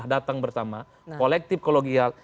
datang bersama kolektif kologial